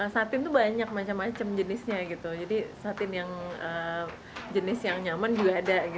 satin itu banyak macam macam jenisnya gitu jadi satin yang jenis yang nyaman juga ada